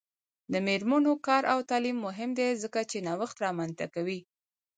د میرمنو کار او تعلیم مهم دی ځکه چې نوښت رامنځته کوي.